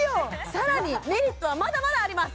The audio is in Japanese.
さらにメリットはまだまだあります